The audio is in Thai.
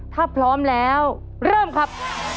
ถ้าพร้อมแล้วเริ่มครับ